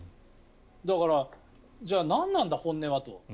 だからじゃあ何なんだ、本音はと。